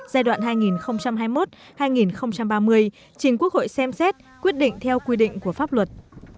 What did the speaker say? giai đoạn hai nghìn hai mươi một hai nghìn ba mươi trình quốc hội xem xét quyết định theo quy định của pháp luật